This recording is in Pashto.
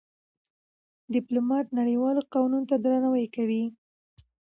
ډيپلومات نړېوالو قوانينو ته درناوی کوي.